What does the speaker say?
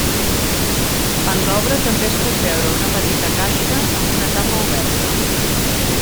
En l'obra també es pot veure una petita caixa amb una tapa oberta.